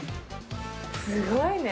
すごいね。